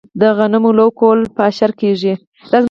د غنمو لو کول په اشر کیږي.